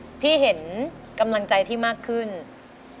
ทั้งในเรื่องของการทำงานเคยทำนานแล้วเกิดปัญหาน้อย